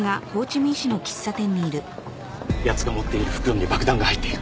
やつが持っている袋に爆弾が入っている